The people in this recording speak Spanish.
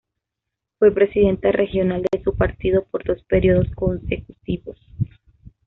Fue presidenta regional de su partido por dos periodos consecutivos.